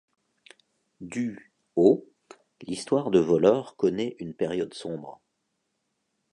Du au l'histoire de Vollore connaît une période sombre.